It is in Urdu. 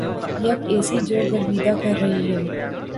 یک ایسی جو گرویدہ کر رہی ہے